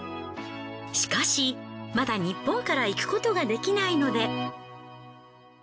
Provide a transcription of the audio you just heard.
しかしまだニッポンから行くことができないので。